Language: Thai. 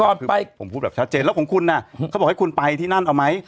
ผมพูดแบบชัดเจนแล้วของคุณน่ะเขาบอกให้คุณไปที่นั่นเอาไหม